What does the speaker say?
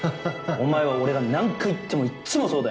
お前は俺が何回言ってもいっつもそうだよな。